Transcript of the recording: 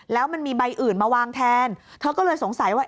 แล้วมันมีใบอื่นมาวางแทนเธอก็เลยสงสัยว่า